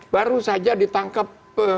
baru saja ditangkap